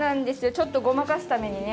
ちょっとごまかすためにね